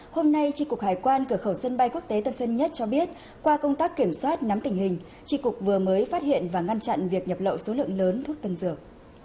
hôm nay tri cục hải quan cửa khẩu sân bay quốc tế tân sơn nhất cho biết qua công tác kiểm soát nắm tình hình tri cục vừa mới phát hiện và ngăn chặn việc nhập lậu số lượng lớn thuốc tân dược